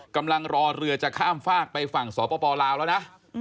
กำลังรอเรือจะข้ามฝากไปฝั่งสปลาวแล้วนะ